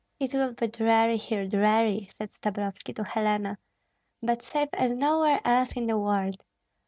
"It will be dreary here, dreary," said Stabrovski to Helena, "but safe as nowhere else in the world.